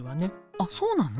あっそうなの？